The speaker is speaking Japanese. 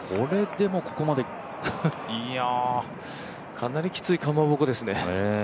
かなりきついかまぼこですね。